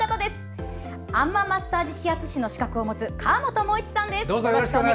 あん摩マッサージ指圧師の資格を持つ、川本茂市さんです。